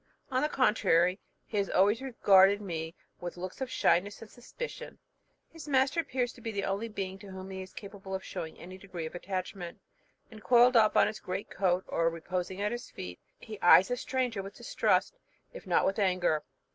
On the contrary, he has always regarded me with looks of shyness and suspicion. His master appears to be the only being to whom he is capable of showing any degree of attachment; and coiled up on his great coat, or reposing at his feet, he eyes a stranger with distrust, if not with anger.